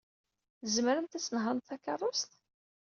Tzemremt ad tnehṛemt takeṛṛust?